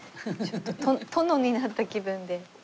ちょっと殿になった気分で。